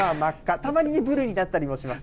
たまにブルーになったりもします。